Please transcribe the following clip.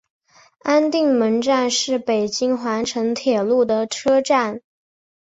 安定门站是北京环城铁路的车站。